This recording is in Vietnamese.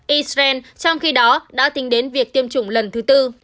israel trong khi đó đã tính đến việc tiêm chủng lần thứ tư